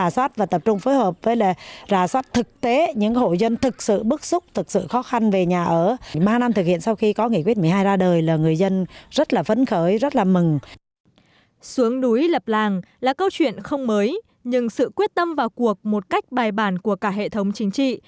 xuống núi lập làng là câu chuyện không mới nhưng sự quyết tâm vào cuộc một cách bài bản của cả hệ thống chính trị